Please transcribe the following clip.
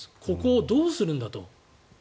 ここをどうするんだと。